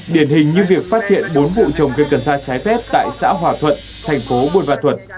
điển hình như việc phát hiện bốn vụ trồng cây cần xa trái phép tại xã hòa thuận thành phố buồn văn thuận